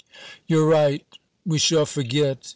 "You're right, we shall forget!